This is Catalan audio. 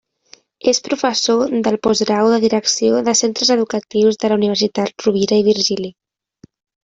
És professor del Postgrau de Direcció de Centres Educatius de la Universitat Rovira i Virgili.